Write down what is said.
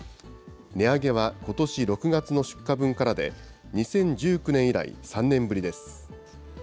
値上げはことし６月の出荷分からで、２０１９年以来３年ぶりです。